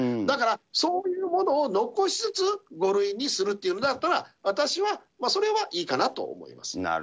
だから、そういうものを残しつつ、５類にするというのだったら、私はそれはいいかなと思います。